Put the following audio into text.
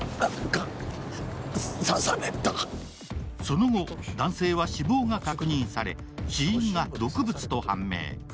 その後、男性は死亡が確認され、死因が毒物と判明。